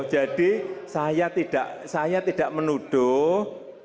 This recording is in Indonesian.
jadi saya tidak menuduh